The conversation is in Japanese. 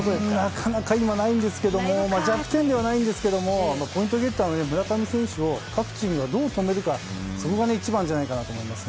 なかなか今ないんですけど弱点ではないんですがポイントゲッターの村上選手を各チームがどう止めるかが一番じゃないかなと思います。